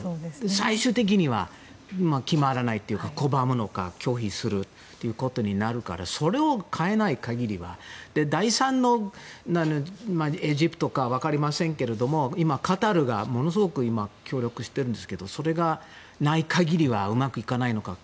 最終的には決まらないというか拒むのか拒否するということになるからそれを変えない限りは第３のエジプトか分かりませんけどカタールがものすごく今協力してるんですけどそれがない限りはうまくいかないのかなと。